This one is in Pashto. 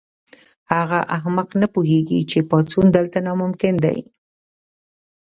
هغه احمق نه پوهیږي چې پاڅون دلته ناممکن دی